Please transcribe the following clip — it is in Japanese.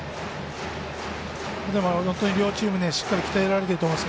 両チームしっかり鍛えられてると思います。